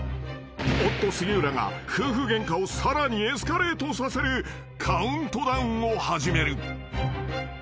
［夫杉浦が夫婦ゲンカをさらにエスカレートさせるカウントダウンを始める］